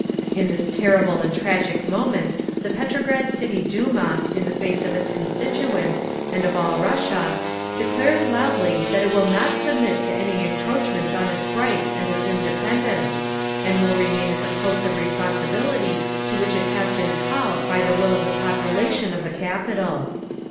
"In this terrible and tragic moment the Petrograd City Duma, in the face of its constituents, and of all Russia, declares loudly that it will not submit to any encroachments on its rights and its independence, and will remain at the post of responsibility to which it has been called by the will of the population of the capital.